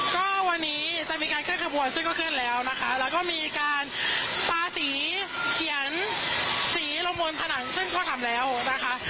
ก็วันนี้จะมีการเคลื่อนขบวนซึ่งก็ขึ้นแล้วนะคะแล้วก็มีการปาสีเขียนสีลงบนผนังซึ่งก็ทำแล้วนะคะ